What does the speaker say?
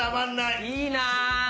いいなぁ！